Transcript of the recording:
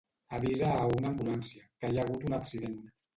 Avisa a una ambulància, que hi ha hagut un accident.